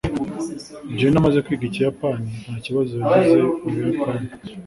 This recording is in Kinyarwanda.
jenny amaze kwiga ikiyapani, nta kibazo yagize mu buyapani